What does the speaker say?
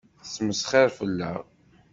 Tettmesxiṛ fell-aɣ.